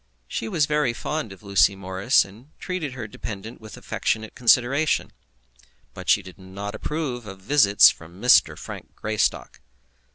She was very fond of Lucy Morris, and treated her dependent with affectionate consideration; but she did not approve of visits from Mr. Frank Greystock.